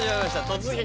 「突撃！